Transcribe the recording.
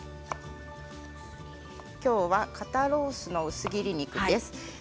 今日は肩ロースの薄切り肉です。